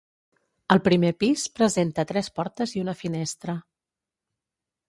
Al primer pis presenta tres portes i una finestra.